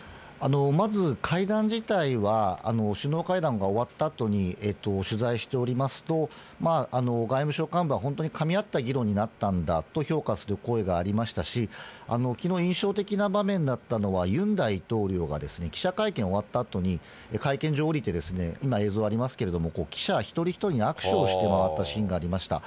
まず、会談自体は首脳会談が終わったあとに取材しておりますと、外務省幹部は本当にかみ合った議論になったんだと評価する声がありましたし、きのう、印象的な場面だったのは、ユン大統領が記者会見終わったあとに、会見場を降りて、今、映像ありますけど、記者一人一人に握手をして回ったシーンがありました。